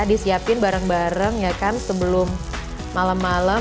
disiapin bareng bareng ya kan sebelum malam malam